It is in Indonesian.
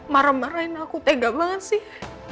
marah marahin aku tega banget sih